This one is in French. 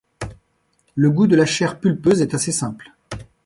Le goût de la chair pulpeuse est assez simple.